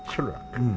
うん。